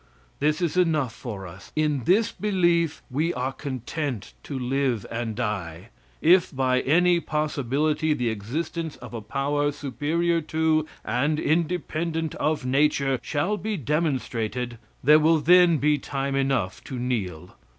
This is enough for us. In this belief we are content to live and die. If by any possibility the existence of a power superior to, and independent of, nature shall be demonstrated, there will then be time enough to kneel.